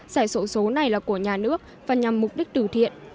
giải sổ số này là của nhà nước và nhằm mục đích tử thiện